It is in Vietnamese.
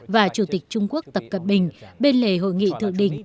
và chủ tịch trung quốc tập cận bình bên lề hội nghị thượng đỉnh